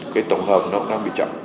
cái tổng hợp nó cũng đang bị chậm